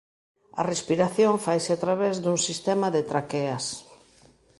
A respiración faise a través dun sistema de traqueas.